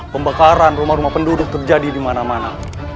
pembakaran rumah rumah penduduk terjadi dimana mana